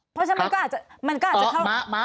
เพราะฉะนั้นมันก็อาจจะเข้ามา